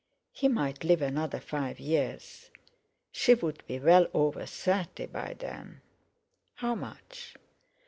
He might live another five years. She would be well over thirty by then. "How much?"